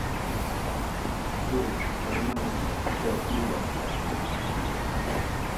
ترک سامانن ای چاتیری لاکھیتانی